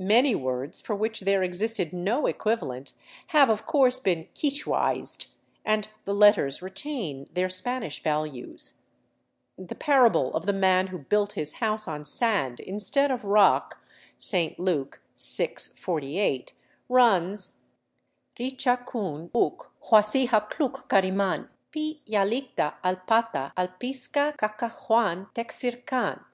Many words for which there existed no equivalent have, of course, been " quichuaized," and the letters retain their Spanish values. The para ble of the man who built his house on sand instead of rock (St. Luke, VI, 48) runs: Ricchacun uc huasihacluc ccaryman; pi yallicta allpata allpisca cca ccahuan tecsirkan.